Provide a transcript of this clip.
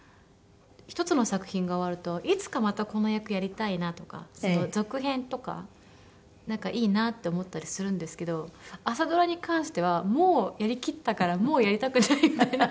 １つの作品が終わるといつかまたこの役やりたいなとか続編とかなんかいいなって思ったりするんですけど朝ドラに関してはもうやりきったからもうやりたくないみたいな。